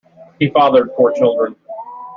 He fathered four children.